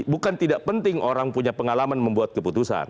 bukan tidak penting orang punya pengalaman membuat keputusan